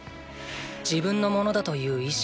「自分のものだという意識」